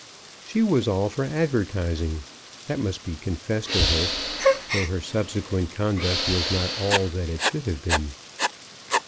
She was all for advertising; that must be confessed of her, though her subsequent conduct was not all that it should have been.